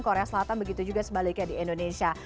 korea selatan begitu juga sebaliknya di indonesia